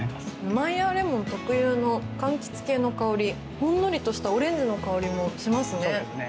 マイヤーレモン特有の柑橘系の香りほんのりとしたオレンジの香りもしますね。